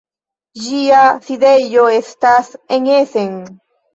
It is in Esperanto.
Ĝia sidejo estas en Essen.